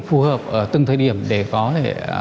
phù hợp ở từng thời điểm để có thể